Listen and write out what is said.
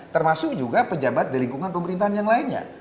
termasuk juga pejabat di lingkungan pemerintahan yang lainnya